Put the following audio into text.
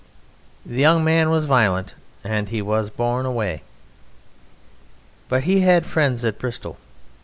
The young man was violent and he was borne away. But he had friends at Bristol.